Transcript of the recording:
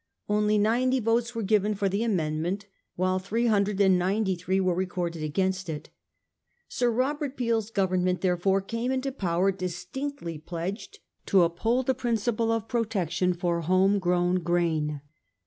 Only ninety votes were given for the amendment, while three hundred and ninety three were recorded against it. Sir Robert Peel's Government, therefore, came into power dis tinctly pledged to uphold the principle of protection for home grown grain.